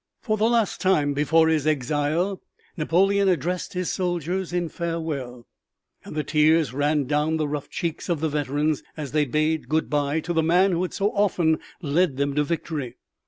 For the last time before his exile, Napoleon addressed his soldiers in farewell, and the tears ran down the rough cheeks of the veterans as they bade good by to the man who had so often led them to victory.